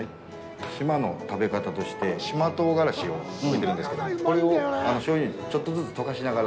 島の食べ方として、島唐辛子を置いてるんですけども、これを醤油にちょっとずつ溶かしながら。